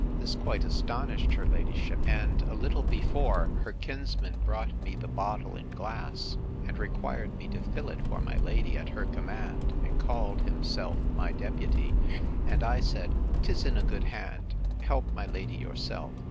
This quite astonished her ladyship; and a little before, her kinsman brought me the bottle and glass, and required me to fill it for my lady, at her command, and called himself my deputy: And I said, 'Tis in a good hand; help my lady yourself.